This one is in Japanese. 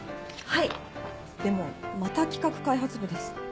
はいでもまた企画開発部です。